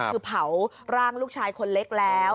คือเผาร่างลูกชายคนเล็กแล้ว